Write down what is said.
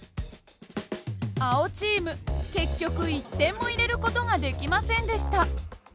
青チーム結局１点も入れる事ができませんでした。